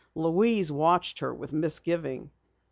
Louise watched her with misgiving.